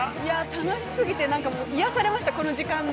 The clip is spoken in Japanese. ◆楽し過ぎて、癒やされました、この時間で。